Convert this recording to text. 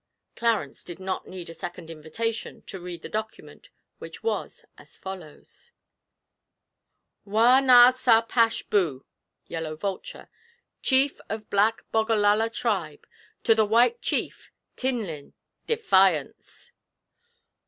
Clarence did not need a second invitation to read the document, which was as follows: 'WAH NA SA PASH BOO (YELLOW VULTURE), Chief of Black Bogallala Tribe, to the Great White Chief, Tin Lin, DEFIANCE.